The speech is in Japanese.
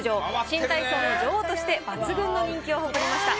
新体操の女王として抜群の人気を誇りました。